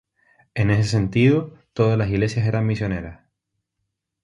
En ese sentido toda la iglesia era misionera.